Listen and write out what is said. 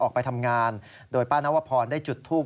ออกไปทำงานโดยป้านวพรได้จุดทูป